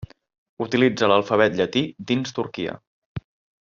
Utilitza l'alfabet llatí dins Turquia.